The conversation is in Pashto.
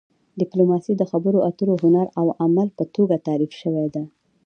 ډیپلوماسي د خبرو اترو هنر او عمل په توګه تعریف شوې ده